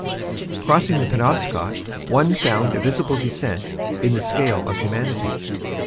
Crossing the Penobscot, one found a visible descent in the scale of humanity.